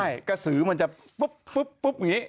ใช่กระสือมันจะปุ๊บอย่างนี้